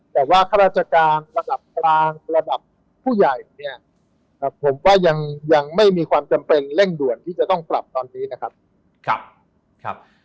แต่ว่าข้าราชการระดับกลางระดับผู้ใหญ่เนี่ยผมว่ายังไม่มีความจำเป็นเร่งด่วนที่จะต้องปรับตอนนี้นะครับ